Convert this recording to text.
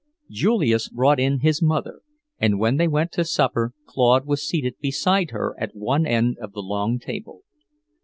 Julius brought in his mother, and when they went to supper Claude was seated beside her at one end of the long table.